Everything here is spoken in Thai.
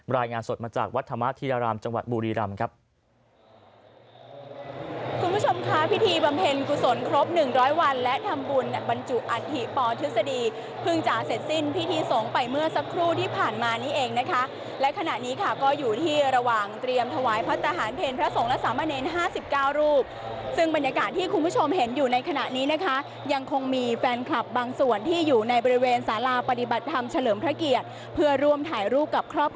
รายงานสดมาจากวัดธรรมธิรรามจังหวัดบุรีรำครับ